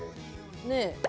ねえ。